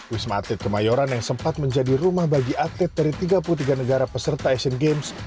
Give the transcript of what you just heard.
wisma atlet kemayoran yang sempat menjadi rumah bagi atlet dari tiga puluh tiga negara peserta asian games